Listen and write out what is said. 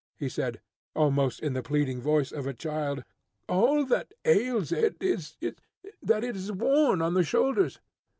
he said, almost in the pleading voice of a child. "All that ails it is, that it is worn on the shoulders.